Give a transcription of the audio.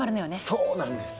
そうなんです！